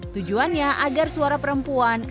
tujuannya agar suara perempuan